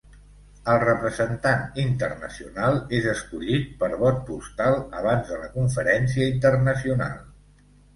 El representant internacional és escollit per vot postal abans de la conferència internacional.